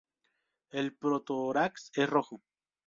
El protórax es rojo.